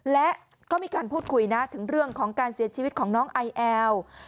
และก็มีการพูดคุยนะถึงเรื่องของการเสียชีวิตของน้องไอแอล